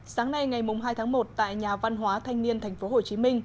sáng nay ngày hai tháng một tại nhà văn hóa thanh niên tp hcm